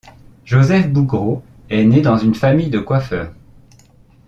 Joseph Bougro est né dans une famille de coiffeurs.